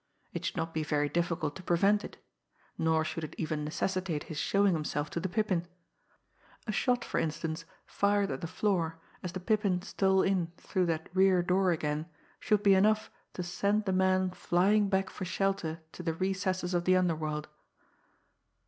It should not be very difficult to prevent it; nor should it even necessitate his showing himself to the Pippin. A shot, for instance, fired at the floor, as the Pippin stole in through that rear door again should be enough to send the man flying back for shelter to the recesses of the underworld.